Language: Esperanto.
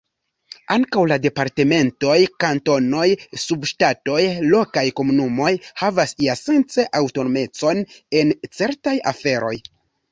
Ankaŭ la departementoj, kantonoj, subŝtatoj, lokaj komunumoj havas iasence aŭtonomecon en certaj aferoj.